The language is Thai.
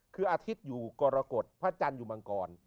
คืออาทิตย์อยู่กรกฎพระจันทร์อยู่มังกร